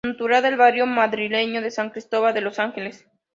Natural del barrio madrileño de San Cristóbal de los Ángeles.